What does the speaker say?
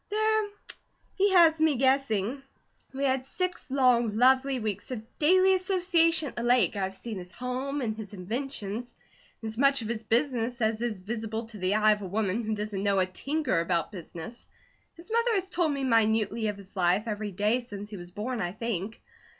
"There he has me guessing. We had six, long, lovely weeks of daily association at the lake, I've seen his home, and his inventions, and as much of his business as is visible to the eye of a woman who doesn't know a tinker about business. His mother has told me minutely of his life, every day since he was born, I think.